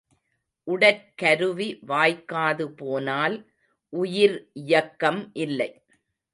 உடற்கருவி வாய்க்காது போனால் உயிர் இயக்கம் இல்லை.